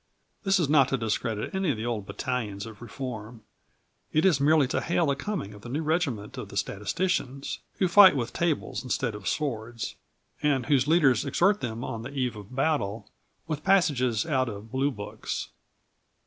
This is not to discredit any of the old battalions of reform. It is merely to hail the coming of the new regiment of the statisticians, who fight with tables instead of swords, and whose leaders exhort them on the eve of battle with passages out of Blue Books.